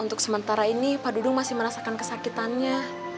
untuk sementara ini pak dudung masih merasakan kesakitannya